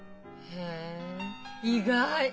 へえ意外！